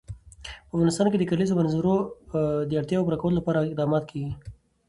په افغانستان کې د د کلیزو منظره د اړتیاوو پوره کولو لپاره اقدامات کېږي.